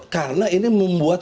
karena ini membuat